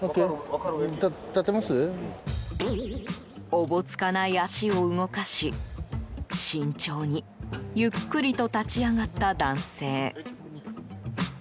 おぼつかない足を動かし慎重にゆっくりと立ち上がった男性。